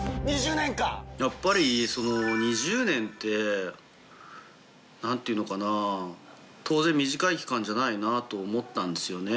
やっぱり２０年って何ていうのかな当然短い期間じゃないよなと思ったんですよね。